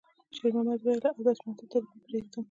شېرمحمد وویل: «اودس ماتی ته تېرېږم.»